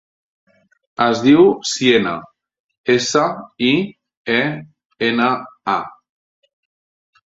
Es diu Siena: essa, i, e, ena, a.